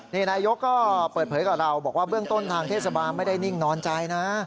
นี่นายกก็เปิดเผยกับเราบอกว่าเบื้องต้นทางเทศบาลไม่ได้นิ่งนอนใจนะ